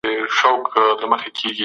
د همت او غیرت په قلم یې ولیکئ.